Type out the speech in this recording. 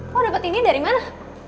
kok dapet ini dari mana